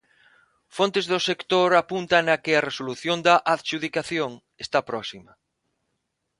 Fontes do sector apuntan a que a resolución da adxudicación está próxima.